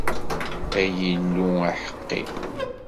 Ay Illu aḥeqqi!